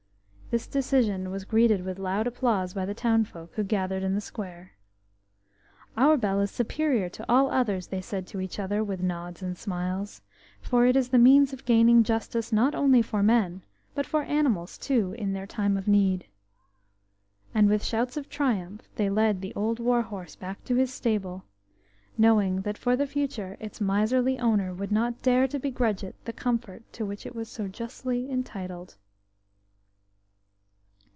This decision was greeted with loud applause by the town folk, who gathered in the square. "Our bell is superior to all others," they said to each other, with nods and smiles, "for it is the means of gaining justice, not only for men, but for animals too in their time of need." And with shouts of triumph they led the old war horse back to his stable, knowing that for the future its miserly owner would not dare to begrudge it the comfort to which it was so justly entitled.